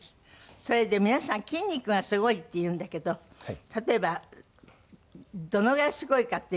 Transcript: それで皆さん筋肉がすごいっていうんだけど例えばどのぐらいすごいかっていうのは。